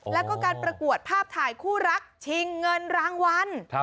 แล้วก็การประกวดภาพถ่ายคู่รักชิงเงินรางวัล